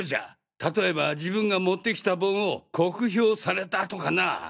例えば自分が持ってきた盆を酷評されたとかな！